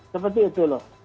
seperti itu loh